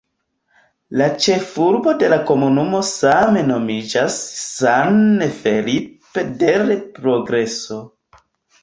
La ĉefurbo de la komunumo same nomiĝas "San Felipe del Progreso".